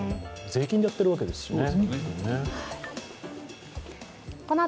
税金でやっているわけですしね。